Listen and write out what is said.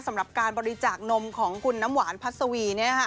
สำหรับการบริจาคนมของคุณน้ำหวานพัสวี